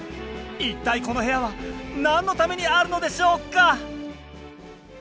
一体この部屋は何のためにあるのでしょうか